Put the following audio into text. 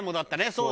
そう。